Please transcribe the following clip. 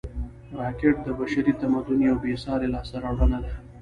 راکټ د بشري تمدن یوه بېساري لاسته راوړنه ده